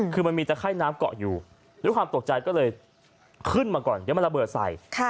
คือมันมีตะไข้น้ำเกาะอยู่ด้วยความตกใจก็เลยขึ้นมาก่อนเดี๋ยวมันระเบิดใส่